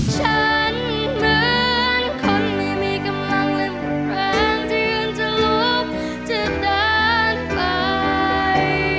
ฉันเหมือนคนไม่มีกำลังและแรงยืนจะลบจะเดินไป